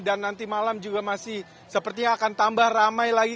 dan nanti malam juga masih sepertinya akan tambah ramai lagi